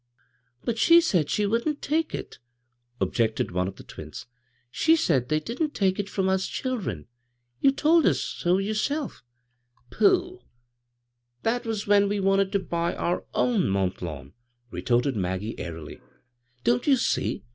" But she said she wouldn't take it," ob jected one of the twins. "She said they didn't take it irom us children. You told us so yerselL" " Pooh I that was when we wanted to buy our oitm Mont Lawn," retorted Maggie, airily. " Don't you see